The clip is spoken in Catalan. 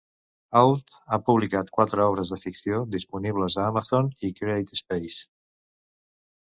Ault ha publicat quatre obres de ficció disponibles a Amazon i CreateSpace.